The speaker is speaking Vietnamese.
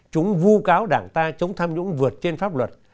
chúng vu cáo đảng ta chống tham nhũng vượt trên pháp luật